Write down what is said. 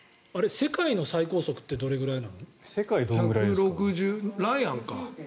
世界の最高速ってどれくらいなの？